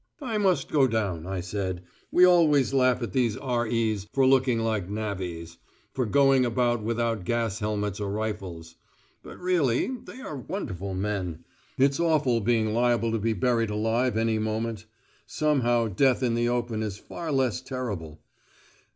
"I must go down," I said. "We always laugh at these R.E.'s for looking like navvies, and for going about without gas helmets or rifles. But really they are wonderful men. It's awful being liable to be buried alive any moment. Somehow death in the open is far less terrible.